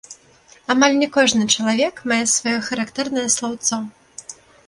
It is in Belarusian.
Амаль не кожны чалавек мае сваё характэрнае слаўцо.